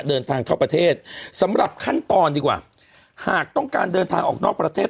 เดินทางเข้าประเทศสำหรับขั้นตอนดีกว่าหากต้องการเดินทางออกนอกประเทศ